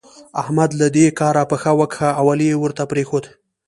احمد له دې کاره پښه وکښه او علي يې ورته پرېښود.